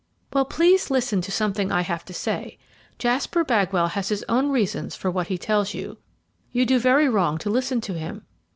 "'Well, please listen to something I have got to say. Jasper Bagwell has his own reasons for what he tells you. You do very wrong to listen to him.